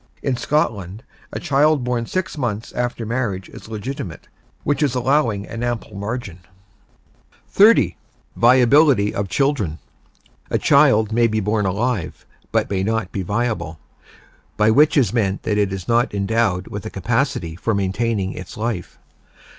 In Scotland a child born six months after marriage is legitimate, which is allowing an ample margin. XXX. VIABILITY OF CHILDREN A child may be born alive, but may not be viable, by which is meant that it is not endowed with a capacity of maintaining its life.